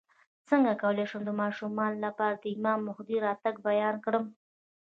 څنګه کولی شم د ماشومانو لپاره د امام مهدي راتګ بیان کړم